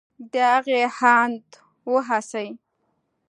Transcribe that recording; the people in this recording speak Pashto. د هغې هاند و هڅې